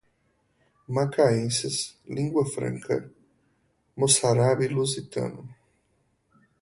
macaenses, língua franca, moçárabe-lusitano